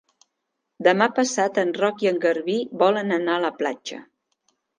Demà passat en Roc i en Garbí volen anar a la platja.